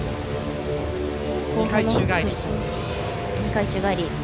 ２回宙返り。